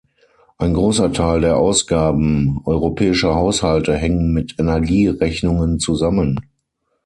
Ein großer Teil der Ausgaben europäischer Haushalte hängen mit Energierechnungen zusammen.